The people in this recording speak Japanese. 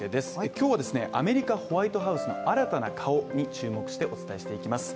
今日はアメリカ・ホワイトハウスの新たな顔に注目してお伝えしていきます